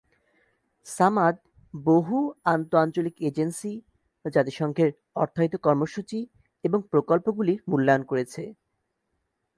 সামাদ বহু আন্ত-আঞ্চলিক এজেন্সি, জাতিসংঘের অর্থায়িত কর্মসূচি এবং প্রকল্পগুলির মূল্যায়ন করেছে।